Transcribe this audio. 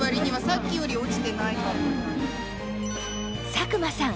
佐久間さん